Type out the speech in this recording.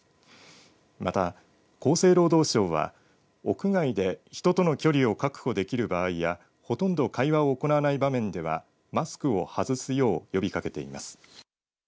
また、厚生労働省は屋外で人との距離を確保できる場合やほとんど会話を行わない場面ではマスクを外すよう呼びかけています。